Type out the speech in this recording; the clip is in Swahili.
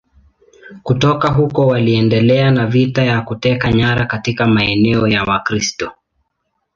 Kutoka huko waliendelea na vita za kuteka nyara katika maeneo ya Wakristo.